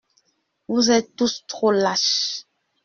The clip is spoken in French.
Vous êtes tous trop lâches.